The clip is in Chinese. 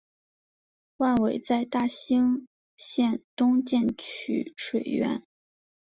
万炜在大兴县东建曲水园。